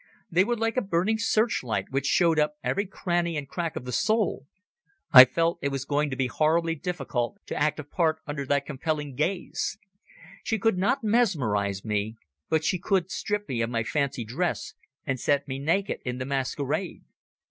They were like a burning searchlight which showed up every cranny and crack of the soul. I felt it was going to be horribly difficult to act a part under that compelling gaze. She could not mesmerize me, but she could strip me of my fancy dress and set me naked in the masquerade.